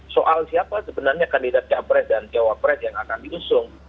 soal siapa sebenarnya kandidat capres dan cawapres yang akan diusung